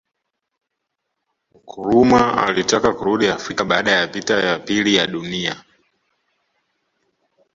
Nkrumah alitaka kurudi Afrika baada ya vita ya pili ya Dunia